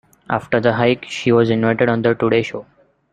After the hike she was invited on the "Today Show".